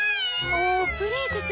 もうプリンセス？